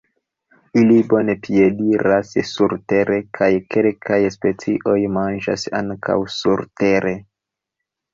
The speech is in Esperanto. Ili bone piediras surtere, kaj kelkaj specioj manĝas ankaŭ surtere.